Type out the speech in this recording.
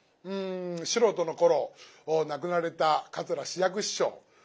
素人の頃亡くなられた桂枝雀師匠